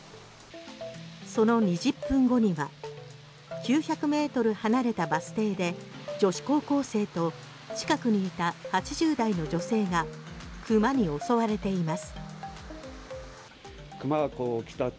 その２０分後には９００ｍ離れたバス停で女子高校生と近くにいた８０代の女性が熊に襲われています。